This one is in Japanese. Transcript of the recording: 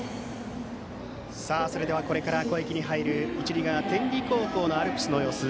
それでは、これから攻撃に入る一塁側、天理高校のアルプスの様子